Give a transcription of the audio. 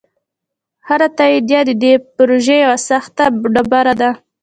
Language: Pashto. هر تایید د دې پروژې یوه سخته ډبره ده.